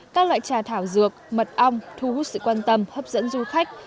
các loại trà thảo dược mật ong thu hút sự quan tâm hấp dẫn du khách